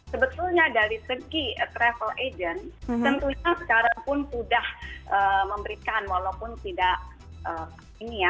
sebetulnya dari segi travel agent tentunya sekarang pun sudah memberikan walaupun tidak ini ya